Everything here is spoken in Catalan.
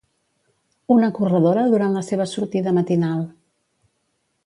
Una corredora durant la seva sortida matinal.